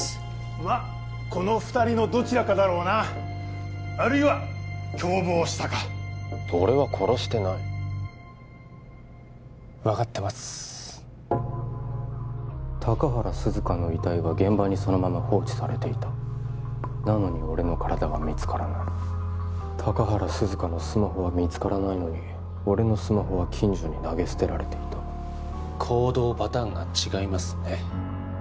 まあこの二人のどちらかだろうなあるいは共謀したか俺は殺してない分かってます高原涼香の遺体は現場にそのまま放置されていたなのに俺の体は見つからない高原涼香のスマホは見つからないのに俺のスマホは近所に投げ捨てられていた行動パターンが違いますね